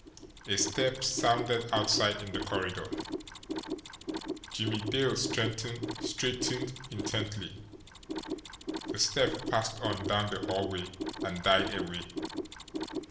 A step sounded outside in the corridor. Jimmie Dale straightened intently. The step passed on down the hallway and died away.